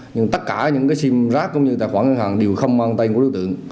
nhưng tất cả những cái sim rác cũng như tài khoản ngân hàng đều không mang tên của đối tượng